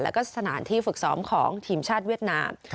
แล้วก็สถานที่ฝึกซ้อมของทีมชาติเวียดนาม